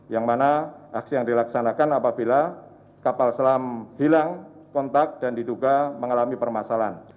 yang mana aksi yang dilaksanakan apabila kapal selam hilang kontak dan diduga mengalami permasalahan